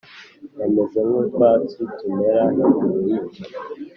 Bameze nk’utwatsi tumera hejuru y’inzu,